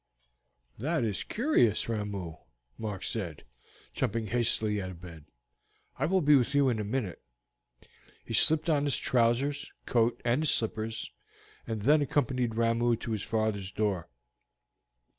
"That is curious, Ramoo," Mark said, jumping hastily out of bed. "I will be with you in a minute." He slipped on his trousers, coat, and slippers, and then accompanied Ramoo to his father's door.